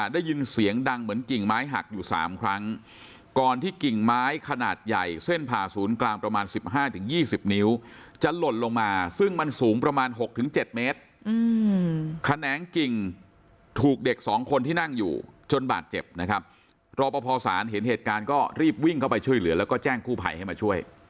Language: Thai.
ได้ยินเสียงดังเหมือนกิ่งไม้หักอยู่๓ครั้งก่อนที่กิ่งไม้ขนาดใหญ่เส้นผ่าศูนย์กลางประมาณ๑๕๒๐นิ้วจะหล่นลงมาซึ่งมันสูงประมาณ๖๗เมตรแขนงกิ่งถูกเด็กสองคนที่นั่งอยู่จนบาดเจ็บนะครับรอปภศาลเห็นเหตุการณ์ก็รีบวิ่งเข้าไปช่วยเหลือแล้วก็แจ้งกู้ภัยให้มาช่วย